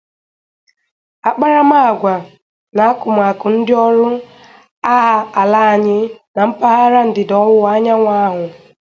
akparamagwa na akụmakụ ndị ọrụ agha ala anyị na mpaghara ndịda-ọwụwa anyanwụ ahụ